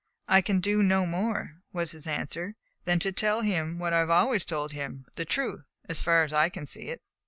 "I can do no more," was his answer, "than to tell him what I have always told him the truth, as far as I can see it."